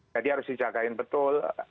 jadi harus dijagain betul